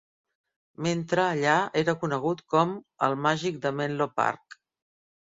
Mentre allà era conegut com El màgic de Menlo Park.